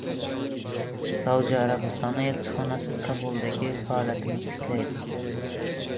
Saudiya Arabistoni elchixonasi Kobuldagi faoliyatini tiklaydi